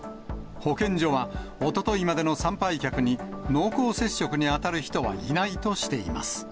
保健所は、おとといまでの参拝客に濃厚接触に当たる人はいないとしています。